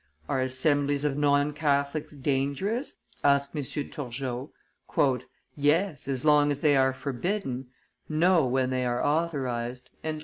"Are assemblies of non Catholics dangerous?" asked M. Turgot. "Yes, as long as they are forbidden; no, when they are authorized."